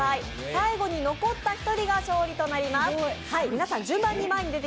最後に残った１人が勝利となります